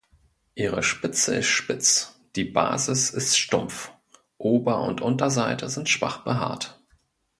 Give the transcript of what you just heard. Ihre Spitze ist spitz, die Basis ist stumpf, Ober- und Unterseite sind schwach behaart.